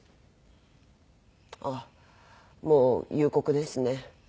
あっもう夕刻ですね。